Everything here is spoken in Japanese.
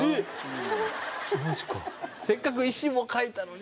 せっかく石も描いたのに。